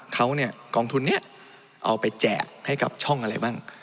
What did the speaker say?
เขาเนี่ยกองทุนนี้เอาไปแจกให้กับช่องอะไรบ้าง